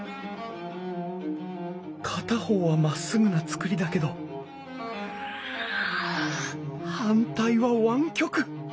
片方はまっすぐな造りだけど反対は湾曲。